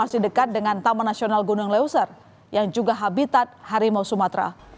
area seilapan sendiri masih dekat dengan tnbbs yang juga habitat harimau sumatera